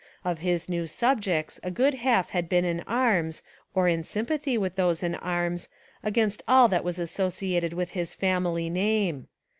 Of his new subjects a good half had been in arms, or in sympathy with those in arms against all that was associated with his family name.